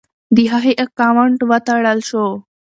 د هغې اکاونټ وتړل شو.